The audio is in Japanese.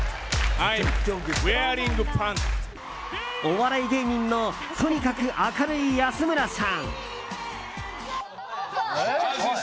お笑い芸人のとにかく明るい安村さん。